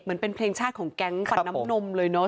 มันเป็นเพลงชาติของแก๊งฟันน้ำนมเลยเนอะ